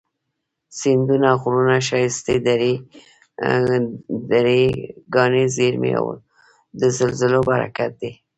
سیندونه، غرونه، ښایستې درې، کاني زیرمي، د زلزلو برکت دی